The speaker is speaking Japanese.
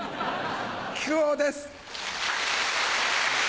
木久扇です。